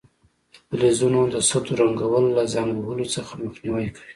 د فلزونو د سطحو رنګول له زنګ وهلو څخه مخنیوی کوي.